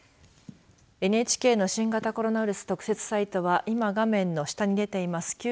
ＮＨＫの新型コロナウイルス特設サイトは今、画面の下に出ています